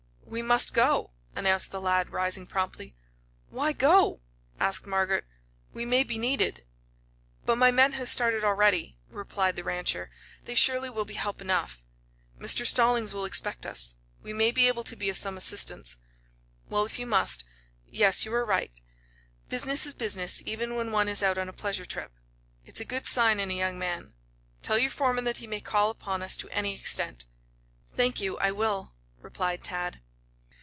"We must go," announced the lad, rising promptly. "Why go?" asked Margaret. "We may be needed." "But my men have started already," replied the rancher. "They surely will be help enough." "Mr. Stallings will expect us. We may be able to be of some assistance." "Well, if you must. Yes; you are right. Business is business, even when one is out on a pleasure trip. It's a good sign in a young man. Tell your foreman that he may call upon us to any extent." "Thank you, I will," replied Tad.